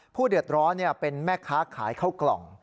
ผู้เดือดร้อนเป็นแม่ค้าขายข้าวกล่อง